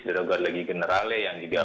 dan juga legis generale yang juga